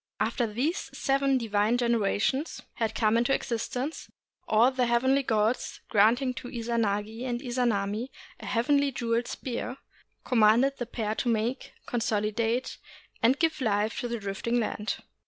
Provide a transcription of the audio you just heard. After these seven divine generations had come into existence, all the heavenly gods, granting to Izanagi and Izanami a heavenly jeweled spear, commanded the pair to make, consolidate, and give life to the drifting land.